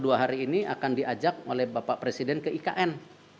dan hari ini akan diajak oleh bapak presiden ke ikn